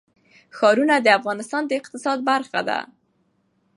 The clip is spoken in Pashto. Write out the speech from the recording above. ښارونه د افغانستان د اقتصاد برخه ده.